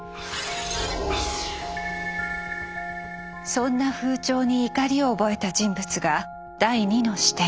そんな風潮に怒りを覚えた人物が第２の視点。